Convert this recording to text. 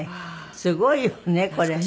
すごいよねこれね。